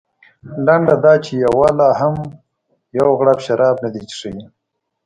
لنډه دا چې یوه لا هم یو غړپ شراب نه دي څښلي.